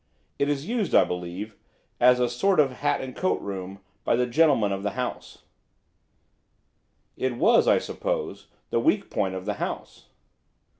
It is used, I believe, as a sort of hat and coat room by the gentlemen of the house." WINDOW ON THE GROUND FLOOR. "It was, I suppose, the weak point of the house?"